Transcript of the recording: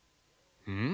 うん？